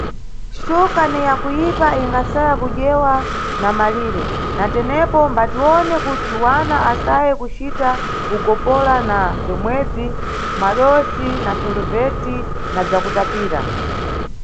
Xuka ni yakuyipa ikasaya kudyedwa na malire, na tenepo mbatiwone kuti wana asaye kucita ugopola na bzomwebzi, madosi na soloveti na bzakutapira.